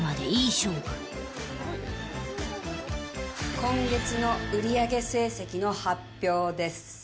今月の売り上げ成績の発表です